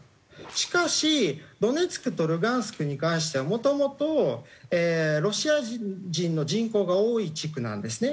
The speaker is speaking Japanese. しかしドネツクとルハンシクに関してはもともとロシア人の人口が多い地区なんですね